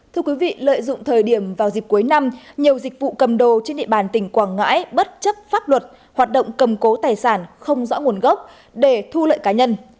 thưa quý vị lợi dụng thời điểm vào dịp cuối năm nhiều dịch vụ cầm đồ trên địa bàn tỉnh quảng ngãi bất chấp pháp luật hoạt động cầm cố tài sản không rõ nguồn gốc để thu lợi cá nhân